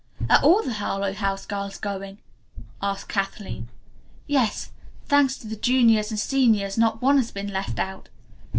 "Are all the Harlowe House girls going?" asked Kathleen. "Yes; thanks to the juniors and seniors, not one has been left out.